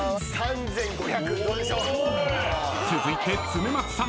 ［続いて恒松さん